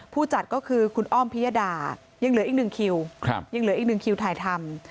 ผู้จัดก็คือคุณอ้อมพิยดายังเหลืออีกหนึ่งคิวยังเหลืออีกหนึ่งคิวถ่ายทำ